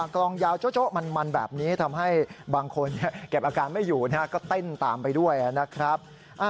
กลองยาวโชมันนะครับอะ